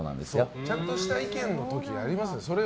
ちゃんとした意見の時ありますよね。